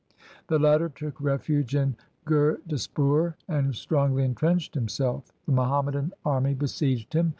The latter took refuge in Gurdaspur, and strongly entrenched himself. The Muhammadan army besieged him.